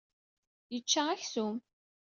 Yečča aksum.